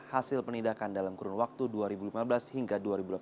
hasil penindakan dalam kurun waktu dua ribu lima belas hingga dua ribu delapan belas